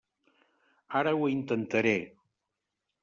Ara ho intentaré.